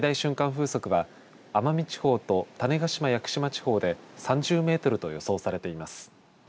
風速は奄美地方と種子島・屋久島地方で３０メートルと予想されています。